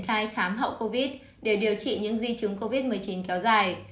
khai khám hậu covid để điều trị những di chứng covid một mươi chín kéo dài